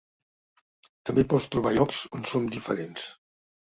També pots trobar llocs on som diferents.